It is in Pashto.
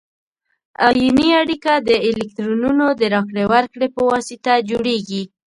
ایوني اړیکه د الکترونونو د راکړې ورکړې په واسطه جوړیږي.